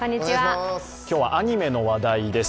今日はアニメの話題です。